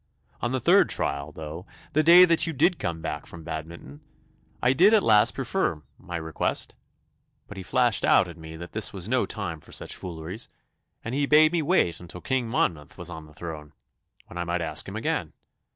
On the third trial, though, the day that you did come back from Badminton, I did at last prefer my request, but he flashed out at me that this was no time for such fooleries, and he bade me wait until King Monmouth was on the throne, when I might ask him again.